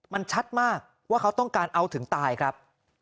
มันชัดมากว่าเขาต้องการเอาถึงตายครับ